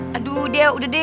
jadi itu angkatnya